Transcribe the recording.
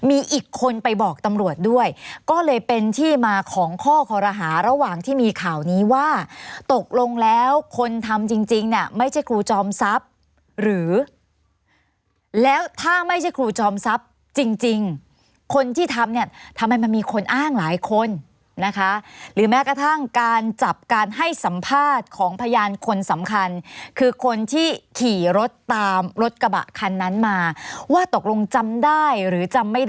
มีอีกคนไปบอกตำรวจด้วยก็เลยเป็นที่มาของข้อคอรหาระหว่างที่มีข่าวนี้ว่าตกลงแล้วคนทำจริงเนี่ยไม่ใช่ครูจอมทรัพย์หรือแล้วถ้าไม่ใช่ครูจอมทรัพย์จริงคนที่ทำเนี่ยทำไมมันมีคนอ้างหลายคนนะคะหรือแม้กระทั่งการจับการให้สัมภาษณ์ของพยานคนสำคัญคือคนที่ขี่รถตามรถกระบะคันนั้นมาว่าตกลงจำได้หรือจำไม่ได้